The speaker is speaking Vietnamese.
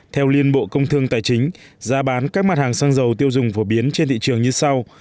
theo liên bộ công thương tài chính giá bán các mặt hàng xăng dầu tiêu dùng phổ biến trên thị trường như sau